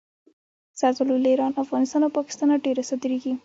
زردالو له ایران، افغانستان او پاکستانه ډېره صادرېږي.